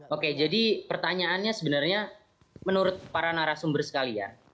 oke jadi pertanyaannya sebenarnya menurut para narasumber sekalian